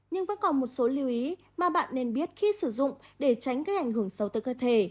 nhưng vẫn còn một số lưu ý mà bạn nên biết khi sử dụng để tránh gây ảnh hưởng sâu tới cơ thể